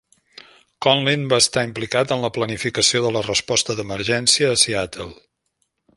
Conlin va estar implicat en la planificació de la resposta d'emergència a Seattle.